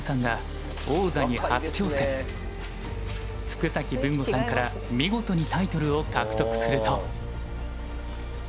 福崎文吾さんから見事にタイトルを獲得すると。